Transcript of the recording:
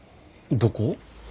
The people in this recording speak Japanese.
どこ？